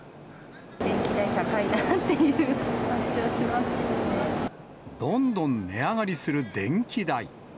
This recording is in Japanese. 電気代、どんどん値上がりする電気代。